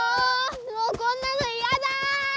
もうこんなのいやだ！